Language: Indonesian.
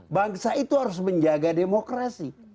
bangsa itu harus menjaga demokrasi